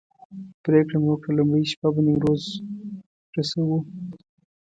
پرېکړه مو وکړه لومړۍ شپه به نیمروز رسوو.